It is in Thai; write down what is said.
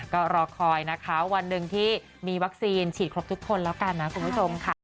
ก็รอคอยนะคะวันหนึ่งที่มีวัคซีนฉีดครบทุกคนแล้วกันนะคุณผู้ชมค่ะ